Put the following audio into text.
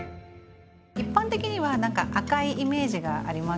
一般的には何か赤いイメージがありますよね。